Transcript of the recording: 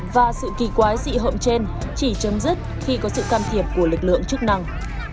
và sự kỳ quái dị hậu trên chỉ chấm dứt khi có sự can thiệp của lực lượng chức năng